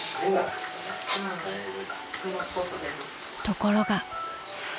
［ところが］